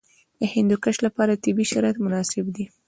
د هندوکش لپاره طبیعي شرایط مناسب دي.